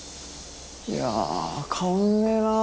いや変わんねえなあ